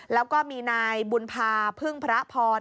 แล้วก็มีนายบุญพาพึ่งพระพร